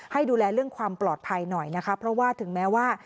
ให้ดูแลเรื่องความปลอดภัยหน่อยนะคะเพราะว่าถึงแม้ว่า